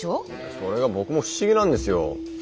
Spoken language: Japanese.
それが僕も不思議なんですよ。